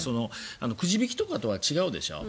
くじ引きとかとは違うでしょ。